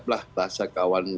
kita juga agak ngeri ngeri sedang